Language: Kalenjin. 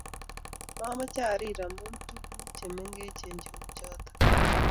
Mamache arir amu tuku che mengechen che u cho